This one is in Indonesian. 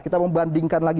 kita membandingkan lagi